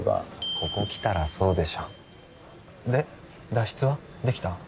ここ来たらそうでしょで脱出は？できた？